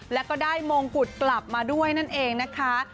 แล้วก็ได้มงกุฎกลับมาด้วยนั่นเองนะคะ